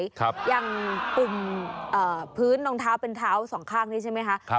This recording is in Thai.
อย่างปุ่มพื้นรองเท้าเป็นเท้าสองข้างนี้ใช่ไหมคะ